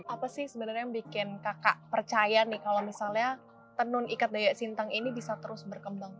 apa sih sebenarnya yang bikin kakak percaya nih kalau misalnya tenun ikat daya sintang ini bisa terus berkembang